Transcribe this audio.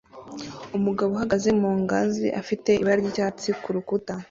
Umugabo uhagaze mu ngazi afite ibara ry'icyatsi ku rukuta